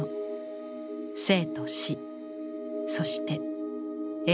生と死そして永遠の命。